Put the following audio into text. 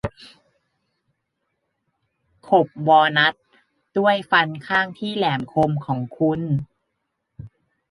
ขบวอลนัทด้วยฟันข้างที่แหลมคมของคุณ